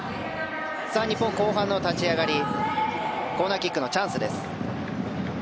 日本、後半の立ち上がりコーナーキックのチャンスです。